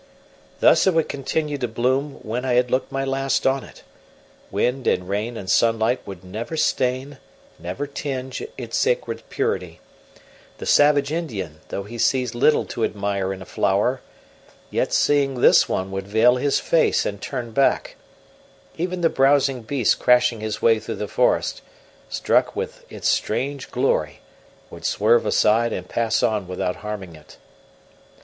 Thus it would continue to bloom when I had looked my last on it; wind and rain and sunlight would never stain, never tinge, its sacred purity; the savage Indian, though he sees little to admire in a flower, yet seeing this one would veil his face and turn back; even the browsing beast crashing his way through the forest, struck with its strange glory, would swerve aside and pass on without harming it.